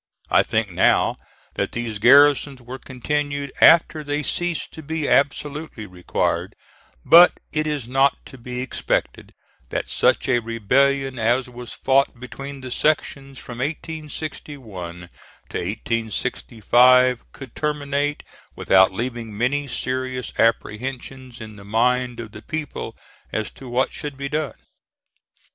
I think now that these garrisons were continued after they ceased to be absolutely required; but it is not to be expected that such a rebellion as was fought between the sections from 1861 to 1865 could terminate without leaving many serious apprehensions in the mind of the people as to what should be done.